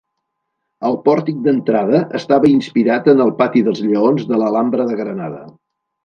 El pòrtic d'entrada estava inspirat en el pati dels Lleons de l'Alhambra de Granada.